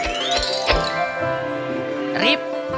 rip kau adalah sahabat terbaik yang pernah kami miliki